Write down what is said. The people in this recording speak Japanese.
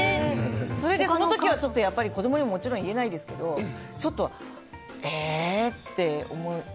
その時は子供にもちろん言えないですけどちょっと、えーって思って。